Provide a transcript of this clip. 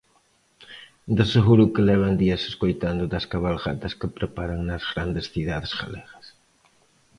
De seguro que levan días escoitando das cabalgatas que preparan nas grandes cidades galegas.